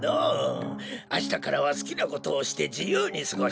あしたからはすきなことをしてじゆうにすごしなさい。